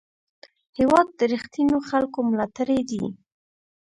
هېواد د رښتینو خلکو ملاتړی دی.